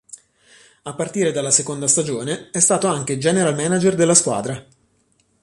A partire dalla seconda stagione è stato anche general manager della squadra.